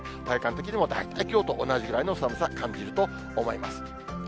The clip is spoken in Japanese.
体感的にも大体きょうと同じぐらいの寒さ、感じると思います。